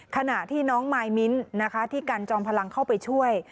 ขณะที่น้องมายมิ้นนะคะที่กันจอมพลังเข้าไปช่วย